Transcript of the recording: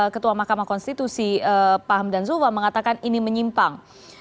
ketua makam konstitusi pak hamdan zulwa mengatakan ini menyimpang